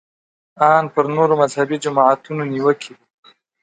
ان پر نورو مذهبي جماعتونو نیوکې دي.